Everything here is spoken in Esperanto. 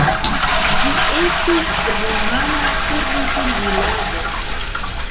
Ĝi estis rumana servutulvilaĝo.